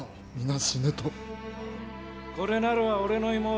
これなるは俺の妹。